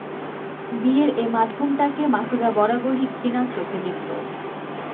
বিয়ের এ মাধ্যমটাকে মাছুদা বরাবরই ঘৃণার চোখে দেখতো।